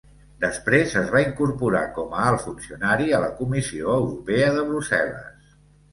Després es va incorporar com a alt funcionari a la Comissió Europea de Brussel·les.